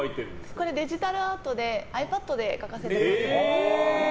これ、デジタルアートでｉＰａｄで描かせてもらってます。